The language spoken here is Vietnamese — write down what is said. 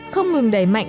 không ngừng đẩy mạnh